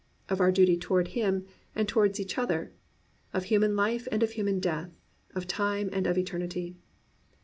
26 THE BOOK OF BOOKS our duty toward Him and toward each other, of human life and of human death, of time and of eternity."